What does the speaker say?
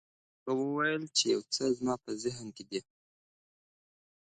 هغه وویل چې یو څه زما په ذهن کې دي.